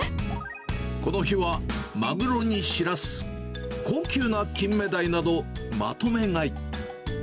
この日はマグロにシラス、高級なキンメダイなど、まとめ買い。